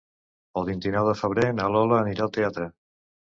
El vint-i-nou de febrer na Lola anirà al teatre.